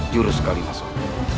juru sekali mas om